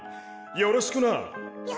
よろしく！